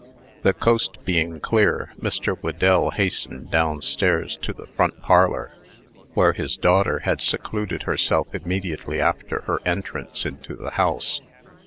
The coast being clear, Mr. Whedell hastened down stairs to the front parlor, where his daughter had secluded herself immediately after her entrance into the house.